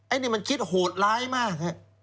อันนี้มันคิดโหดร้ายมาก